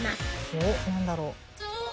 おっ何だろう？